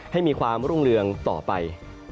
ให้มีความรุ่งเรืองต่อไป